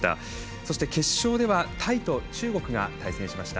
そして決勝ではタイと中国が対戦しました。